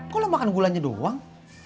kau makan gulanya doang